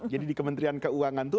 jadi di kementerian keuangan itu